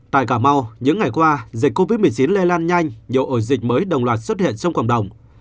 tại cà mau những ngày qua dịch covid một mươi chín lây lan nhanh nhiều ổ dịch mới đồng loạt xuất hiện trong cộng đồng